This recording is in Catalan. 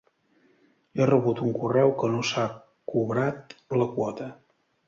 He rebut un correu que no s'ha cobrat la quota.